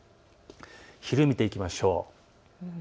お昼を見ていきましょう。